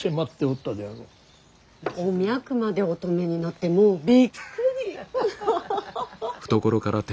お脈までお止めになってもうびっくり。